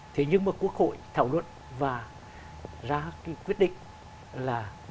thế nhưng mà quốc hội thảo luận và ra cái quyết định là